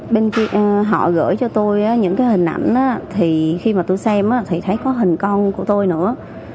bên kia họ gửi cho tôi những cái hình ảnh thì khi mà tôi xem thì thấy có hình con của tôi nữa